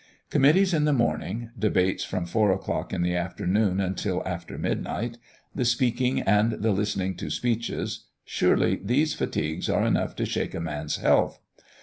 Committees in the morning, debates from four o'clock in the afternoon until after midnight, the speaking and the listening to speeches, surely these fatigues are enough to shake a man's health.